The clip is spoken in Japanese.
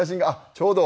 ちょうど。